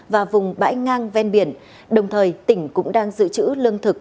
và vùng bãi ngang ven biển đồng thời tỉnh cũng đang giữ chữ lương thực